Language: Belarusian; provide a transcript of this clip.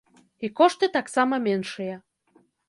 І кошты таксама меншыя.